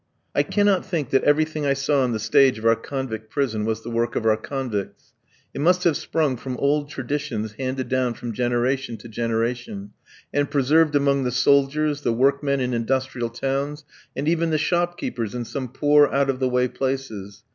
I cannot think that everything I saw on the stage of our convict prison was the work of our convicts. It must have sprung from old traditions handed down from generation to generation, and preserved among the soldiers, the workmen in industrial towns, and even the shopkeepers in some poor, out of the way places.